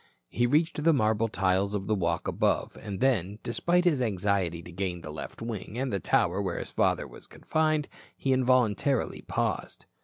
He reached the marble tiles of the walk above and then, despite his anxiety to gain the left wing and the tower where his father was confined, he involuntarily paused.